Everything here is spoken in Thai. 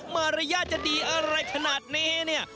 มารยาทจะดีอะไรขนาดนี้เนี่ย